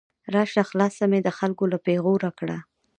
راشه خلاصه مې د خلګو له پیغور کړه